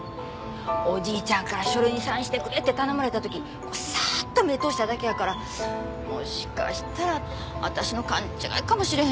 おじいちゃんから書類にサインしてくれって頼まれた時さっと目を通しただけやからもしかしたら私の勘違いかもしれへんねんけど。